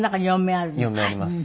４面あります。